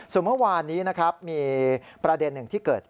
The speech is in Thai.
ส่วนเมื่อวานนี้นะครับมีประเด็นหนึ่งที่เกิด